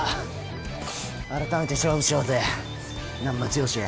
あらためて勝負しようぜ難破剛。